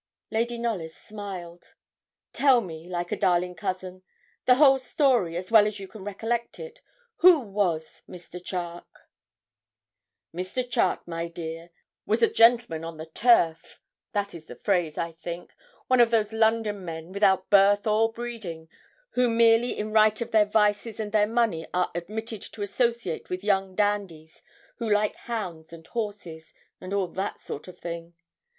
Lady Knollys smiled. 'Tell me, like a darling cousin, the whole story as well as you can recollect it. Who was Mr. Charke?' 'Mr. Charke, my dear, was a gentleman on the turf that is the phrase, I think one of those London men, without birth or breeding, who merely in right of their vices and their money are admitted to associate with young dandies who like hounds and horses, and all that sort of thing.